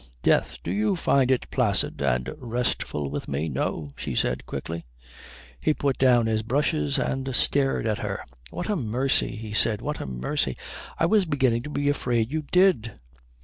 Death. Do you find it placid and restful with me?" "No," she said quickly. He put down his brushes and stared at her. "What a mercy!" he said. "What a mercy! I was beginning to be afraid you did."